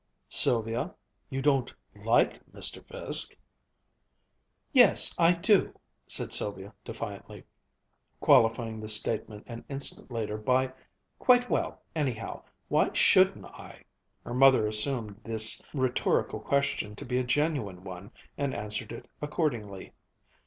"Sylvia, you don't like Mr. Fiske?" "Yes, I do!" said Sylvia defiantly, qualifying this statement an instant later by, "Quite well, anyhow. Why shouldn't I?" Her mother assumed this rhetorical question to be a genuine one and answered it accordingly.